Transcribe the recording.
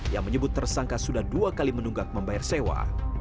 yang menyebut tersangka sudah dua kali menunggak membayar sewa